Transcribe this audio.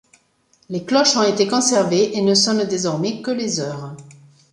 Les cloches ont été conservées et ne sonnent désormais que les heures.